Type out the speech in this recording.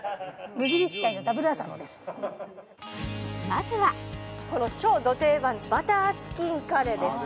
まずはこの超ド定番バターチキンカレーです